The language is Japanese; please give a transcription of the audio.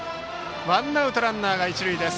ワンアウトランナー、一塁です。